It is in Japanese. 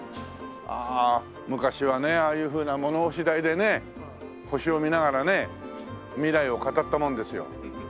ああ昔はねああいうふうな物干し台でね星を見ながらね未来を語ったものですよ。